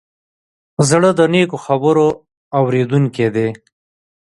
زړه د نیکو خبرو اورېدونکی دی.